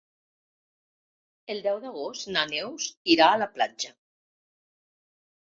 El deu d'agost na Neus irà a la platja.